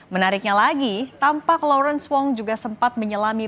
menariknya lagi tampak lawrence wong juga sempat menyelami